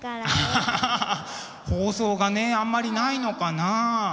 アハハ放送がねあんまりないのかな？